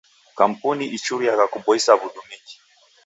Kampuni ichuriagha kuboisa w'udumiki.